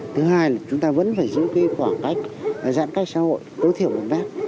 thứ hai là chúng ta vẫn phải giữ khoảng cách giãn cách xã hội tối thiểu bằng bác